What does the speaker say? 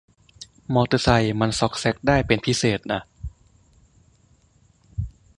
มอเตอร์ไซค์มันซอกแซกได้เป็นพิเศษน่ะ